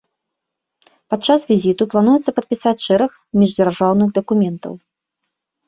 Падчас візіту плануецца падпісаць шэраг міждзяржаўных дакументаў.